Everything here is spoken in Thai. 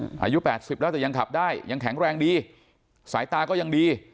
อายุแปดสิบแล้วแต่ยังขับได้ยังแข็งแรงดีสายตาก็ยังดี